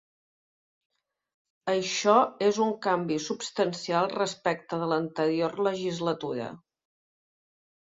Això és un canvi substancial respecte de l’anterior legislatura.